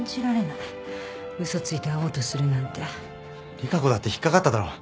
利佳子だって引っ掛かっただろ？